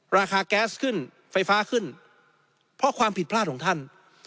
ราคาแก๊สขึ้นไฟฟ้าขึ้นเพราะความผิดพลาดของท่าน